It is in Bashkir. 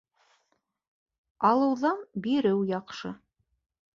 Алыуҙан биреү яҡшы.